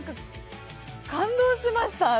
感動しました。